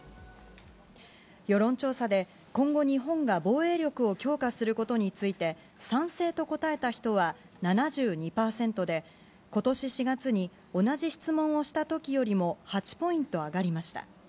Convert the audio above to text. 世論調査で今後、日本が防衛力を強化することについて、賛成と答えた人は７２％で、ことし４月に同じ質問をしたときよりも８ポイント上がりました。